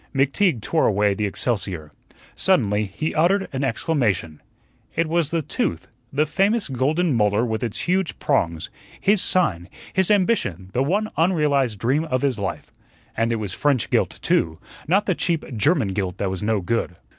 McTeague tore away the excelsior. Suddenly he uttered an exclamation. It was the Tooth the famous golden molar with its huge prongs his sign, his ambition, the one unrealized dream of his life; and it was French gilt, too, not the cheap German gilt that was no good.